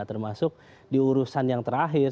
termasuk di urusan yang terakhir